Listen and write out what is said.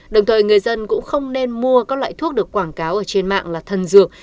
đồng thời người dân cũng không nên mua các loại thuốc được quảng cáo ở trên mạng là thân dược